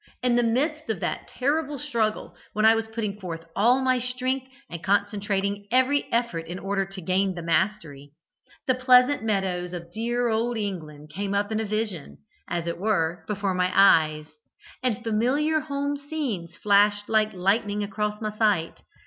In the midst of that terrible struggle, when I was putting forth all my strength and concentrating every effort in order to gain the mastery, the pleasant meadows of dear old England came up in a vision, as it were, before my eyes, and familiar home scenes flashed like lightning across my sight.